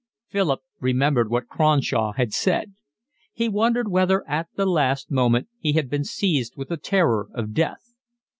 Philip remembered what Cronshaw had said. He wondered whether at that last moment he had been seized with the terror of death.